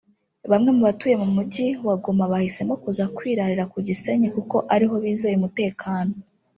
Bamwe mu batuye mu mujyi wa Goma bahisemo kuza kwirarira ku Gisenyi kuko ariho bizeye umutekano